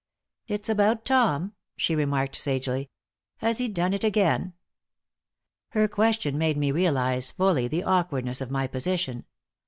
"It's about Tom!" she remarked, sagely. "Has he done it again?" Her question made me realize fully the awkwardness of my position.